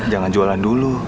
jangan jualan dulu